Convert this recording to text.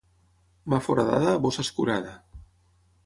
Mà foradada, bossa escurada.